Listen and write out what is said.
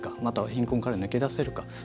または貧困から抜け出せるか。